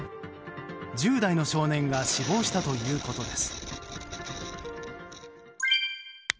１０代の少年が死亡したということです。